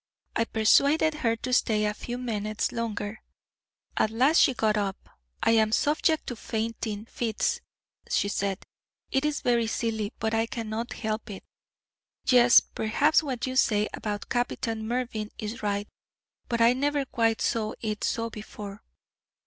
I persuaded her to stay a few minutes longer. At last she got up. 'I am subject to fainting fits,' she said; 'it is very silly, but I cannot help it. Yes, perhaps what you say about Captain Mervyn is right, but I never quite saw it so before.